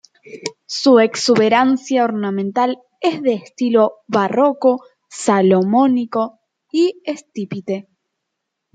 Su exuberancia ornamental es de estilo barroco salomónico y estípite.